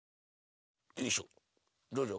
よいしょどうぞ。